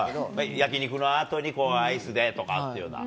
焼き肉のあとにアイスでっていうような。